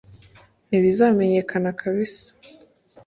ntibizamenyekana kabisa